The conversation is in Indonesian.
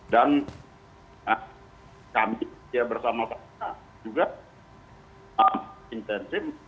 dan kami bersama pak puan juga intensif